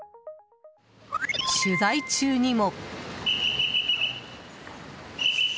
取材中にも。